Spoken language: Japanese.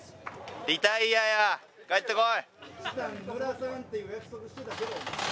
リタイアや、帰ってこい。